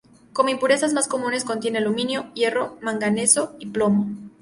Como impurezas más comunes contiene aluminio, hierro, manganeso y plomo.